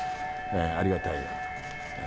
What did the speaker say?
ありがたい。